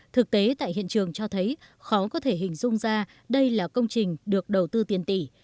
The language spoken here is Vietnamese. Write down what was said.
thực tế tại hiện trường cho thấy khó có thể hình dung ra đây là công trình được đầu tư tiền tỷ